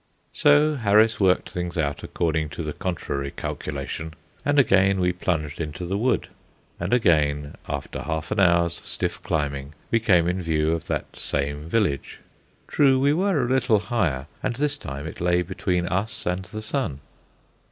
So Harris worked things out according to the contrary calculation, and again we plunged into the wood; and again after half an hour's stiff climbing we came in view of that same village. True, we were a little higher, and this time it lay between us and the sun.